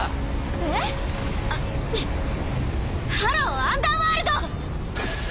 えっ⁉ハローアンダーワールド！